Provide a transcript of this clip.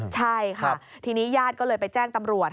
ใช่ค่ะทีนี้ญาติก็เลยไปแจ้งตำรวจ